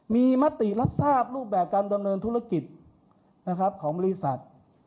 มีมติรับทราบรูปแบบการดำเนินธุรกิจของบริษัท